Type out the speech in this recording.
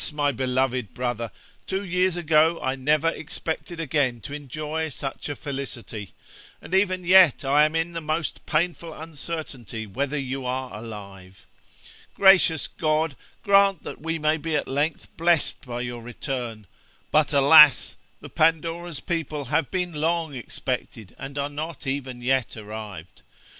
my beloved brother, two years ago I never expected again to enjoy such a felicity, and even yet I am in the most painful uncertainty whether you are alive. Gracious God, grant that we may be at length blessed by your return I but, alas! the Pandora's people have been long expected, and are not even yet arrived.